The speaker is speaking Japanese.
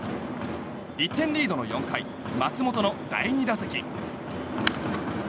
１点リードの４回松本の第２打席。